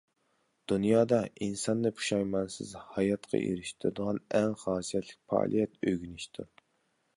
دۇنيادا، ئىنساننى پۇشايمانسىز ھاياتقا ئېرىشتۈرىدىغان ئەڭ خاسىيەتلىك پائالىيەت ئۆگىنىشتۇر.